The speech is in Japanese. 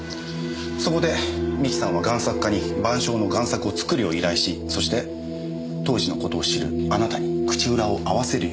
そこで三木さんは贋作家に『晩鐘』の贋作を作るよう依頼しそして当時のことを知るあなたに口裏を合わせるよう持ちかけた。